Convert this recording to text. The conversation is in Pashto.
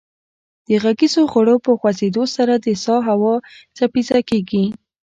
د غږیزو غړو په خوځیدو سره د سا هوا څپیزه کیږي